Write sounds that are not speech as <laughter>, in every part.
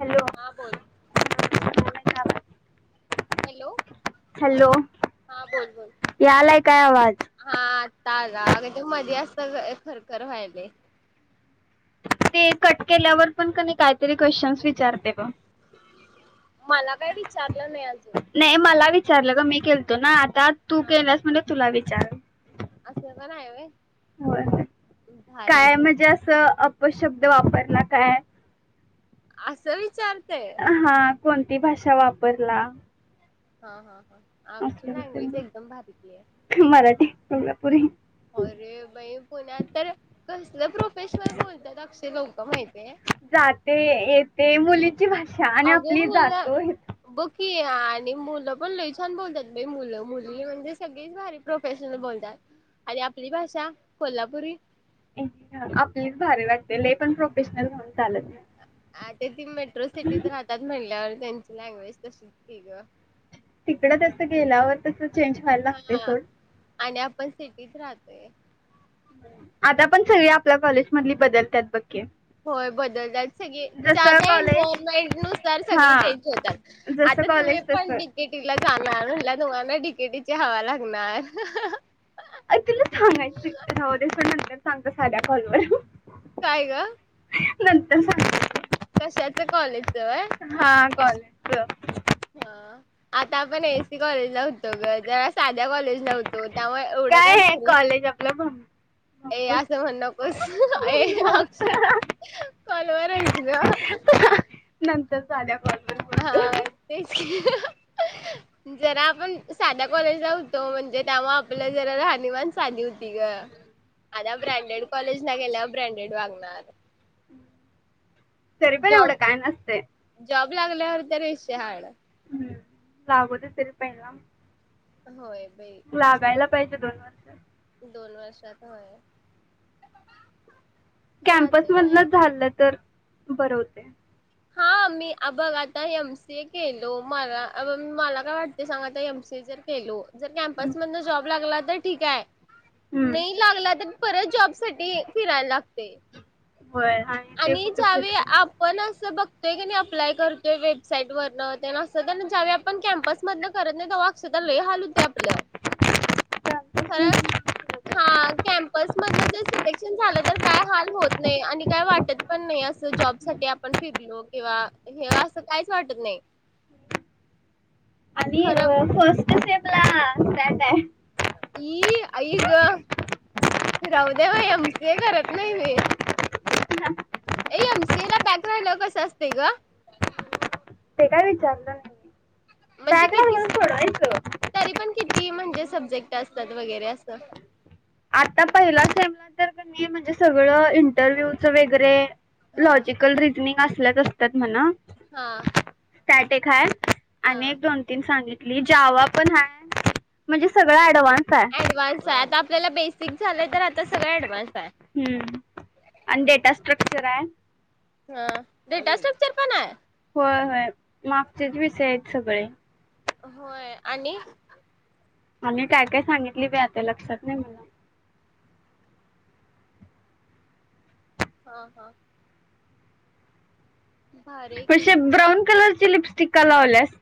Hello हां बोल. Hello. Hello हा बोल बोल यालाय काय आवाज. का ग ते मध्ये असत खरखर व्हायले. ते कट केल्यावर पण क काहीतरी क्वेशचन्स विचारते बघ. मला काय विचारलं नाही अजून. चारलं ग. मी केलंत ना? त्यात तू हा केल्यास म्हणजे तुला व चार- असं पण आहे व्हय होय- भारी काय की म्हणजे असं अपशब्द वापरला काय? आसं विचार हा. कोणती भाषा वापरला? हा हा. आमची असलं लँग्वेज विचार एकदम भारितली आहे. मराठी कोल्हापुरी. आणि बाई, पुण्यात तर कसलं प्रोफेशनल बोलतात अक्ष- लोक माहिती- जाते येते. मुली- ती भाषा आणि आपली अगं मुलं जातो येतो- बघ की आणि मुलं पण लई छान बोलतात बाई मुलं मुली एवढे सगळी भारी प्रोफेशनल बोलतात आणि आपली भाषा कोल्हापुरी- आपलीच भारी वाटते. लई पण प्रोफेशनल भारी चालत नाही. आता ती मेट्रो सिटीत राहतात म्हटल्यावर- त्यांची लँग्वेज तशीच कि ग. तिकडं जस गेल्यावर तस- चेंज व्हायला लागतय सोड. पण सिटीत राहतोय. आता पण- सगळी आपल्या कॉलेज मधली बदलतात बघ. की होय, बदलतात सगळी ज्या जसं ज्या कॉलेज एनव्हायरमेंट नुसार हा सगळी चेंज होतात. जसं आता तुम्ही कॉलेज तसं पण डी के टीला जाणार म्हणल तुम्ह - डी के टी ची हवा लागणार. अरे सांगते साध्या कॉलवर. काय ग? नंतर सांगते तुला. कशाच कॉलेज ग? हा <unintelligible> हा- आता आपण एफ सी कॉलेज ला होतो ग. तेव्हा साद- कॉलेजला होतो त्यामुळे एवढं काय आहे भारी? कॉलेज आपलं भं- ए भंपूर असं म्हनु नकोस. <unintelligible> अ कॉलवर आहेस ना नन्तर आल्या - हा -तेच की -जरा आपण साध्या कॉलेजला होतो म्हणजे त्यामुळ आपलं जरा राहनिमान साधी होती ग आता ब्रँडेड कॉलेजला गेल्यावर ब्रँडेड लागणार- तरी पण एवढं काय नसतय. जॉब लागल्यावर तरी विषय हार्डये हम्म लागू दे तरी पहिला. होय. बाई लागायला पाहिजे दोन वर्ष. दोन वर्षात होय. जात वयात कॅम्पसमधन झालं तर. बरं होते. हा मी बघ आता एम सीए केलो मला मला काय वाटते सांगा आता एम सी ए जर केलो. जर हम्म कॅम्पस मध जॉब लागला. तर ठीक आहे. हम्म. नाही लागला तर. परत जॉब साठी फिरायला लागते होय ते आणि कुठे ज्यावेळी फिरतील आपण बघतोय कणी अप्लाय करतोय वेबसाईट वरण ज्याव्या आपण कॅम्पस मधन करत नाही तेव्हा अक्षदा लय हाल होतय. ते आपलं खर हा. कॅम्पस मधन जर सिलेक्शन झालं तर काय हाल होत नाही आणि काय वाटत पण नाही असं जॉब साठी आपण फिरलो किंव्हा हे असं काहीच वाटत नाही आणि खरं फस्ट स्टेप- ला पॅक आहे. ई आई गं राहूदे मग एम सी ए करत नाही मी. ऐ एम सी ए ला बॅक राहिल्या वर कसं असतय गं. ते काय विचारत्यात. म्हणजे बॅक राहिल्या वर सोडवायच. ती म्हणजे सब्जेक्ट असतात वगैरे असं आता पहिला सेमीस्टरला तर कणी म्हणजे सगळं इंन्टरविव्हच वगैरे. हा लॉजिकल रिजनिंग अस. आपल्याच असतात म्हणा. हा. चार्ट एक हाय. आणि हा एक दोन तीन सांगितल्या. ली जावा पण हाय म्हणजे सगळ ऍडव्हान्स. आहे ऍडव्हान्स आहे आता आपल्याला बेसिक फिक्स झालं तर आता सगंळ एडवान्स. हम्म आणि डेटा स्ट्रक्चर आहे. हा डेटा स्ट्रक्चर पण आहे. होय होय मागचेच विषय आहेत. सगळे. होय आणि आणि काय काय सांगितली बाई आता लक्षात नाही मला हा हा. भारी आहे की असे मग ब्राऊन कलर लिपस्टिक का लावल्यास.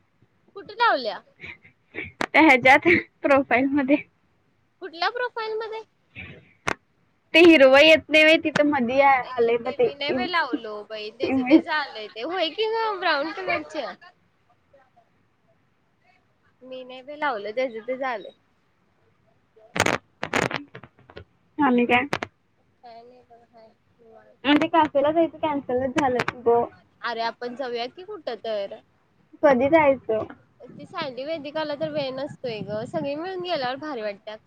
कुठे लावल्या ह्याच्यात प्रोफाईल मध्ये कुठल्या प्रोफाईल मध्ये ते हिरवं येत नाही होय ते. ते मी नाहीे बाई लावलो बाई तेज इमेज तेच आलंय. ते वाय की ग. ब्राऊन कलरच्या. म. <inaudible> मी नाही ब्य लावलं त्याचे ते आले. ह नि काय? काय नाही बर हाय. निवांत आणि क्याफेला जाय कॅन्सलच झालं. अरे आपण जाऊयात की कुठं तर? कधी जायच? ती साांदि वैदिकाला तर वेळ नसतोय ग सगळी मिळून गेल्यावर भारी वाटत्यात.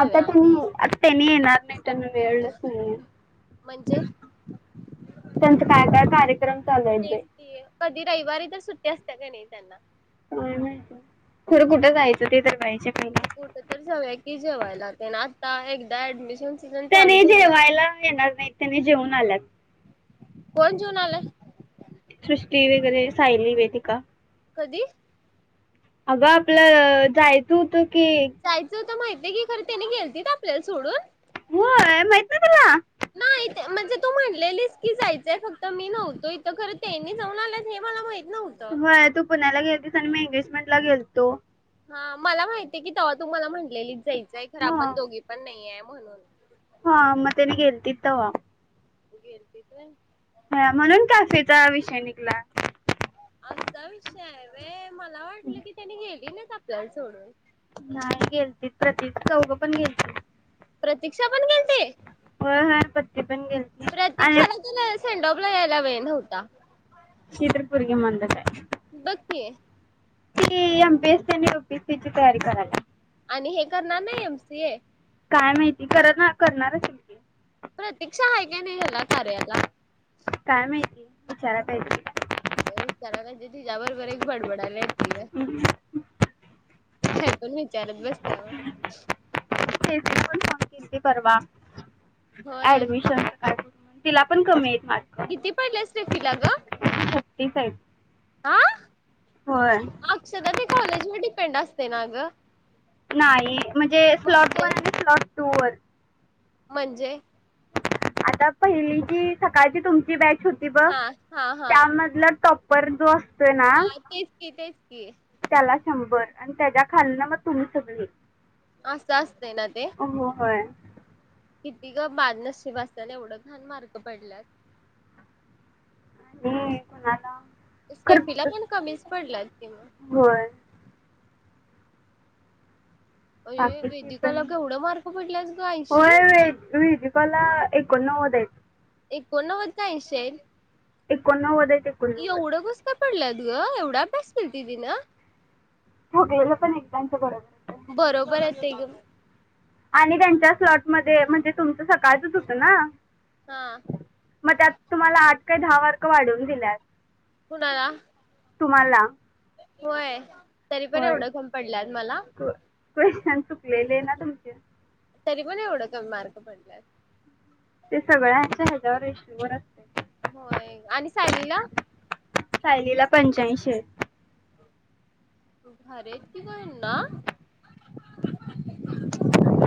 आता त्यांनी आता त्यानी येणार नाही. त्यांना वेळलंच नाही. म्हणजे? त्यांचा काय काय कार्यक्रम चालूयेत तेच बाई? की कधी रविवारी तर सुट्टी असत्या का नाही त्यांना होय नी खर कुठं जायचं ते तर माहिती कुठं तर जाऊया क ती जेवायला त्याने आता एकदा डमिशन त्याने जेवायला येणार नाही त्याने जेऊन आल्यात. कोण जऊन आलं? सृष्टी वगैरे सायली वेदिका. कधी? अग आपलं जायचं होतं. एक. माहिितय की खर त्याने गेलती आपल्याला सोडून? हो माहीत नाही तुला. नाही ते म्हणजे तू म्हणलेलीस की जायचंय फक्त मी नव्हतो इथ खरं त्यांनी जाऊन आला हे मला माहि होय तू पुण्याला गेलतीस आणि म एगेज मेंटला गेलतो. हा मला माहितीय की तेव्हा तु मला म्हटलेलीच जाईल जाई खर हा आपण दोघी पण नाहीेये. म्हणून. हा म तेनी गेलतीत तवा तू गेलतीस व्हय. ह म्हणून कॅफेचा विषय निघला. आसं विषय हाय व्हय. मला वाटलं की त्यांनी गेली ना आपल्याला सोडून नाही गेलते, प्रतीच चौघं पण गेलतींत. प्रतीक्षा पण गेल होय पत्ती पण गेलती आणी सेंडॉपला यायला वेळ नव्हता. ही तर पोरगी मंदच हाय. बघ की. ती एम पी एस सी आणि यु पी एस सी ची तयारी कराल्या. आणि हे करणार नाही एम सी ए? काय माहिती करना करणारच हाय की. प्रतीक्षा आहे का नाही ह्याला कार्याला? काय माहिती, विचाराय पाहिजे. विचाराय पाहिजे तिच्याबरोबर एक बडबडायला येत <unintelligible> काहीपण विचारत बसत्या बग. तेजी पण फोन केलती परवा. होय ऍडमिशन <unintelligible> तिला पण कमीयत. किती पडले असतील तिला ग? T five. आ! अक्षदा ते कॉलेजवर डिपेंड अस ते ना ग. नाही म्हणजे स्लॉट म्हणजे वन आणि स्लॉट टूवर्ड्स. म्हणजे? आता पहिली जी सकाळची तुमची बॅच होती बघ, हा हा हा. त्यामधल टॉप परंतु हा तेच की तेच कि त्याला शंभर आणि त्याच्या खालन मग तुम्ही सगळी अस असतय ना ते. हो होय किती का बादनशीब असतन, एवढं घाण मार्क पडल्यात. होय कोणाला. सेफीला खरं पण कमीच पडला कि मग. होय अरे बाकीची पण, वेदिकाला केवढं मार्क पडल्यात ग ऐंशी होय वेदिका लाएक. एकोननणव्हडं एकोणनव्वद काय आशी आहि एकोणनव्वद आहित एवढंस कास काय पडल्यातग एवढा अभ्यास केलती तीन. हो गेलं पण एकदांच बरत बरोबर आहे ते ग. आणि त्यांच्या फ्याटमध्ये म्हणजे तुमचं सकाळचच होत ना हा मग त्यात तुम्हाला आठ काय दहा मार्क वाढवून दिल्यात. कुणाला. तुम्हाला. होय. तरी पण होय एवढं कमी पडलंत मला. <unintelligible> चुकलेले ना तुमचे. तरी पण एवढ कमी मार्क पडलंयात. ते सगळ हातच्या रेशीवर असतय. होय आणि सायलीला. सायलीला पंच्याऐंशी. भारी आहेत कि ह्यांना.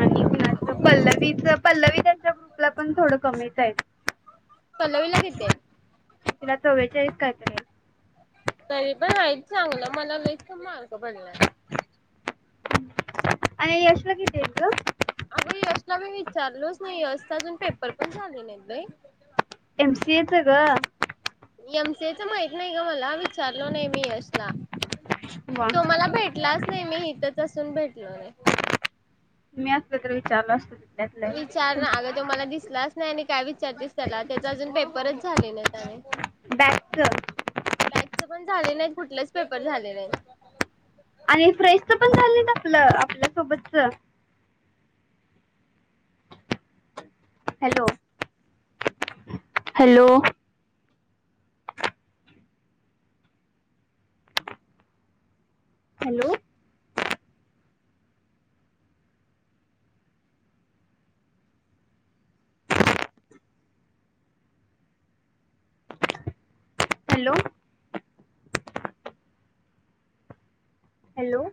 आणि कुणाच पल्लवीच पल्लवी त्यांच्या ग्रुपला पण थोड कमीच आहे पल्लवीला किती आहेत? तिला चव्वेचाळीस काय तर ते तरी पण आहित चांगल मला लईच कमी मार्क पडल्यात. आणि यश ला किती आहेत ग. अगं यशला मी विचारलोच नाही यशचा अजून पेपर पण झाले नाही बाई. एमसीए च ग. एमसिए माहित नाही का मला विचारलो नाही मी यशला. वा तो मला भेटलाच नाही मी इथ तसून भेटलो नई. मी असते तर विचारलं अस. विचार ना अगं तोमला दिसलास. नाही नाही का त्याला त्याचा अजून पेपरच झाले ना बॅगच त्या पण झाले नाहीत कुठलेच पेपर झाले नाहीत आणि फ्रेशच पण झालं ना आपलं आपल्यासोबतच hello hello hello hello hello